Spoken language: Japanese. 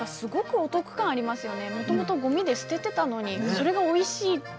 もともとごみで捨ててたのにそれがおいしいって。